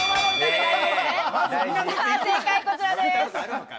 正解こちらです。